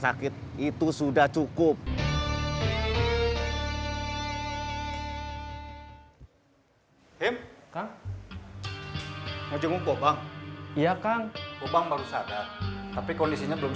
sakit itu sudah cukup tim kim ngajeng ngopo bang iya kang obang baru sadar tapi kondisinya belum